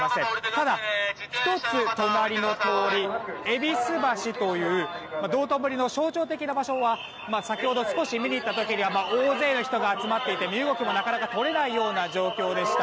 ただ、１つ隣の通り戎橋という道頓堀の象徴的な場所は先ほど、少し見に行った時には大勢の人が集まっていて身動きもなかなか取れないような状況でした。